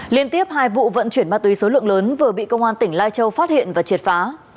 liên tiếp hai vụ vận chuyển ma túy số lượng lớn vừa bị công an tỉnh lai châu phát hiện và triệt phá